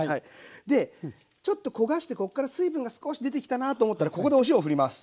でちょっと焦がしてこっから水分が少し出てきたなと思ったらここでお塩を振ります。